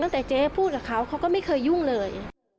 เจ๊พูดกับเขาเขาก็ไม่เคยยุ่งเลย